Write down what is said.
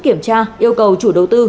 kiểm tra yêu cầu chủ đầu tư